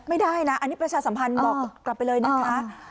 ไม่ได้นะอันนี้ประชาสัมพันธ์บอกกลับไปเลยนะคะ